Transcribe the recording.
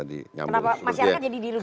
kenapa masyarakat jadi diludihkan